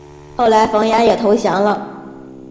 后来冯衍也投降了。